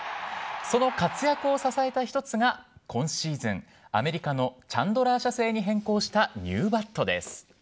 その活躍を支えた一つが、今シーズン、アメリカのチャンドラー社製に変更したニューバットです。